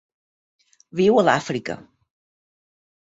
Viu a l'Àfrica.